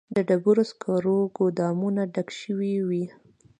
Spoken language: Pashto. د ډبرو سکرو ګودامونه ډک شوي وي